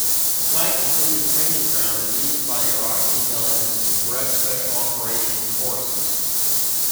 The site included training grounds used by Iraqi intelligence to direct Special Operations Forces.